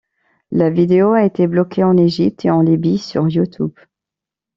La vidéo a été bloquée en Égypte et en Libye sur YouTube.